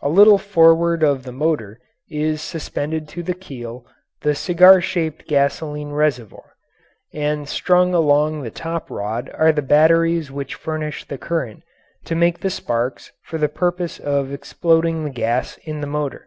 A little forward of the motor is suspended to the keel the cigar shaped gasoline reservoir, and strung along the top rod are the batteries which furnish the current to make the sparks for the purpose of exploding the gas in the motor.